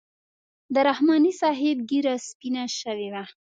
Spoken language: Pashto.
د رحماني صاحب ږیره سپینه شوې وه.